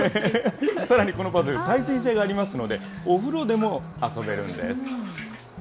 さらにこのパズル、耐水性がありますので、お風呂でも遊べるんです。